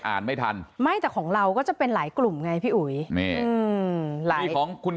อ่านไม่ทันไม่แต่ของเราก็จะเป็นหลายกลุ่มไงพี่อุ๋ยหลายของคุณ